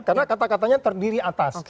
karena kata katanya terdiri atas